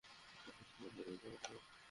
আমার সাথে পাল্লা দিতে পারবেন?